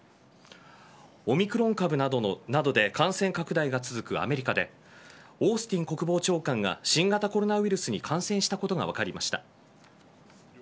オミクロン株などで感染拡大が続くアメリカでオースティン国防長官が新型コロナウイルスに感染したことが分かりました。